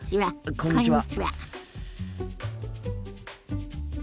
こんにちは。